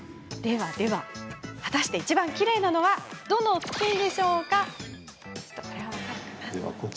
果たして、いちばんきれいなのはどのふきん？